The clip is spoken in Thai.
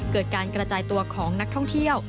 เกิดการกระจายตัวของนักท่องเที่ยว